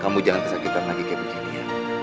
kamu jangan kesakitan lagi kayak begini ya